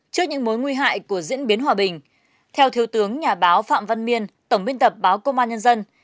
trước những mối nguy hại của diễn biến hòa bình theo thiếu tướng nhà báo phạm văn miên tổng biên tập báo công an nhân dân